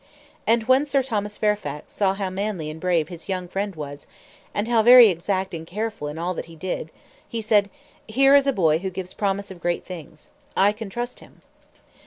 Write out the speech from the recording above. And when Sir Thomas Fairfax saw how manly and brave his young friend was, and how very exact and careful in all that he did, he said: "Here is a boy who gives promise of great things. I can trust him."